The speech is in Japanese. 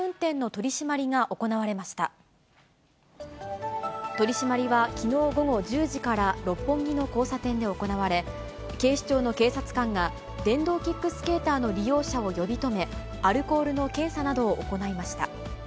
取締りは、きのう午後１０時から六本木の交差点で行われ、警視庁の警察官が電動キックスケーターの利用者を呼び止め、アルコールの検査などを行いました。